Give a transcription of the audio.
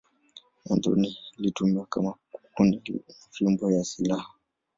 Mwanzoni ilitumiwa kama kuni na fimbo ya silaha.